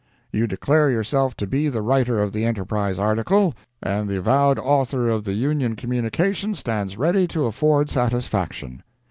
You declare yourself to be the writer of the ENTERPRISE article, and the avowed author of the Union communication stands ready to afford satisfaction.